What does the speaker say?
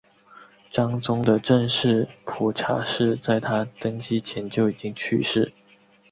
章宗的正室蒲察氏在他登基前就已经去世。